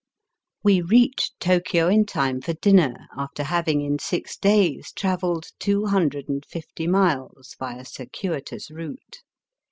We reached Tokio in time for dinner, after having in six days travelled two hundred and fifty miles by a circuitous route.